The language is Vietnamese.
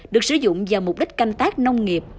được sử dụng vào mục đích canh tác nông nghiệp